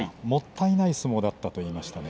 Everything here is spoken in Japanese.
もったいない相撲だったという話です。